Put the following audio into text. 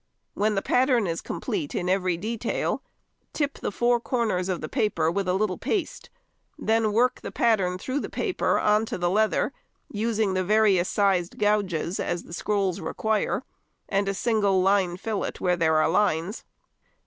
When the pattern is complete in every detail, tip the four corners of the paper with a little paste, then work the pattern through the paper on to the leather, using the various sized gouges as the scrolls require, and a single line fillet where there are lines.